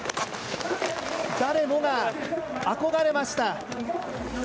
誰もが憧れました。